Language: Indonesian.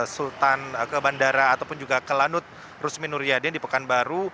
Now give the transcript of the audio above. sultan ke bandara ataupun juga ke lanut rusmin nuryadin di pekanbaru